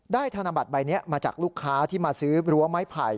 ธนบัตรใบนี้มาจากลูกค้าที่มาซื้อรั้วไม้ไผ่